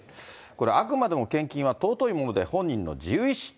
これ、あくまでも献金は尊いもので本人の自由意志。